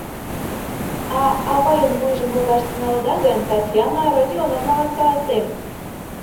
А авайын вуйжым лугаш тӱҥалыда гын, Татьяна Родионовналан каласем.